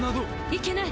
いけない！